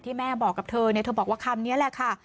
ที่แม่บอกกับเธอเธอบอกว่าคำนี้แหละค่ะ